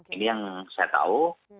ini yang saya tahu